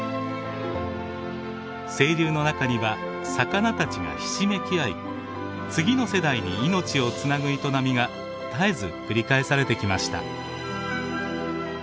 清流の中には魚たちがひしめきあい次の世代に命をつなぐ営みが絶えず繰り返されてきました。